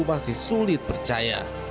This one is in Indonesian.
masih sulit percaya